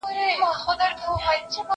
هغه وويل چي درسونه لوستل کول مهم دي؟